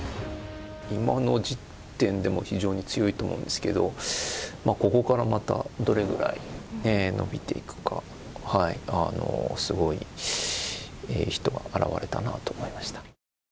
今の時点でも非常に強いと思うんですけど、ここからまた、どれぐらい伸びていくか、すごい人が現れたなと思いました。